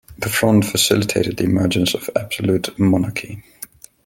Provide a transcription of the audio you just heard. The Fronde facilitated the emergence of absolute monarchy.